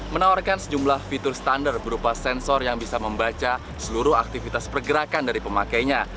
menawarkan sejumlah fitur standar berupa sensor yang bisa membaca seluruh aktivitas pergerakan dari pemakainya